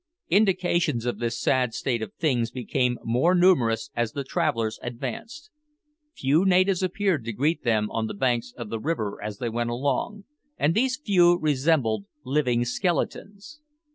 Indications of this sad state of things became more numerous as the travellers advanced. Few natives appeared to greet them on the banks of the river as they went along, and these few resembled living skeletons.